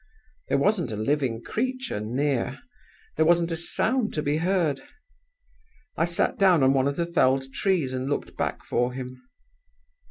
There wasn't a living creature near; there wasn't a sound to be heard. I sat down on one of the felled trees and looked back for him.